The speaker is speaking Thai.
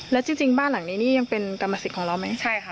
แล้วจริงบ้านหลังนี้นี่ยังเป็นกรรมสิทธิ์ของเราไหมใช่ค่ะ